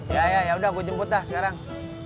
ya ya yaudah gue jemput dah sekarang